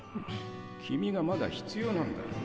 君がまだ必要なんだ。